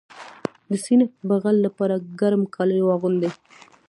د سینه بغل لپاره ګرم کالي واغوندئ